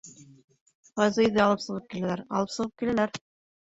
Фазыйҙы алып сығып киләләр, алып сығып киләләр.